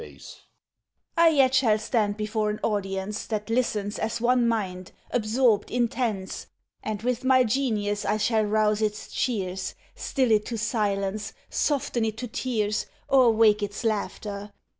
MAID (ignoring interruption) I yet shall stand before an audience That listens as one mind, absorbed, intense, And with my genius I shall rouse its cheers, Still it to silence, soften it to tears, Or wake its laughter.